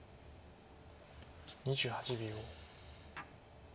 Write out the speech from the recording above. ２８秒。